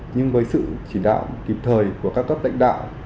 nhưng với sự chỉ đạo kịp thời của các cấp lãnh đạo